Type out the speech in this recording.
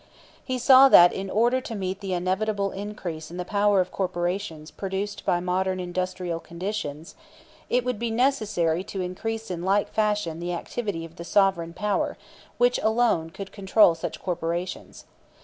He saw that, in order to meet the inevitable increase in the power of corporations produced by modern industrial conditions, it would be necessary to increase in like fashion the activity of the sovereign power which alone could control such corporations.